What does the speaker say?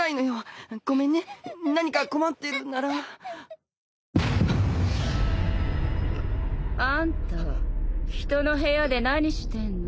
蕨姫）あんた人の部屋で何してんの？